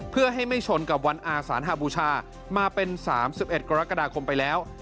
เพื่อให้ไม่ชนกับวันอาสานหบูชามาเป็น๓๑กรกฎาคมไปแล้ว